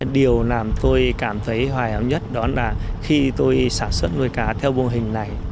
điều làm tôi cảm thấy hoài hóng nhất đó là khi tôi sản xuất nuôi cá theo mô hình này